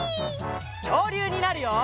きょうりゅうになるよ！